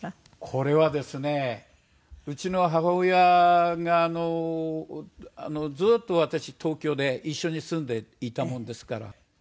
これはですねうちの母親がずっと私東京で一緒に住んでいたもんですから。